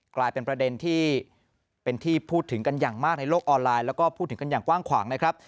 กลายเป็นประเด็นที่เป็นที่พูดถึงกันอย่างมากในโลกออนไลน์แล้วก็พูดถึงกันอย่างกว้างขวางนะครับ